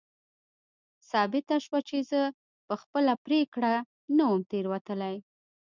ثابته شوه چې زه په خپله پرېکړه نه وم تېروتلی.